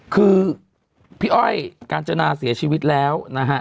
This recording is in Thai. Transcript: คือพี่อ้อยกาญจนาเสียชีวิตแล้วนะฮะ